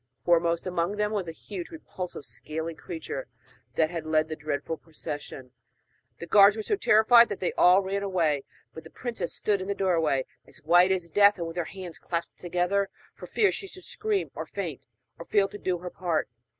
Foremost among them was a huge, repulsive scaly creature that led the dreadful procession. The guards were so terrified that they all ran away; but the princess stood in the doorway, as white as death, and with her hands clasped tight together for fear she should scream or faint, and fail to do her part.